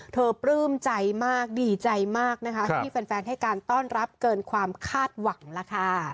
ปลื้มใจมากดีใจมากนะคะที่แฟนให้การต้อนรับเกินความคาดหวังล่ะค่ะ